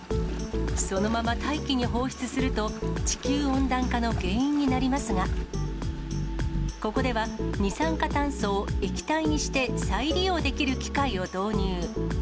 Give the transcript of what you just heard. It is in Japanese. そのまま大気に放出すると、地球温暖化の原因になりますが、ここでは二酸化炭素を液体にして再利用できる機械を導入。